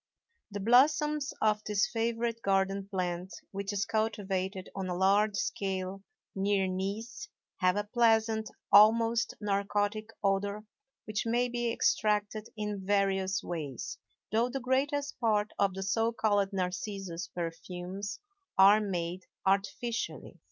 The blossoms of this favorite garden plant, which is cultivated on a large scale near Nice, have a pleasant, almost narcotic odor which may be extracted in various ways; though the greatest part of the so called narcissus perfumes are made artificially.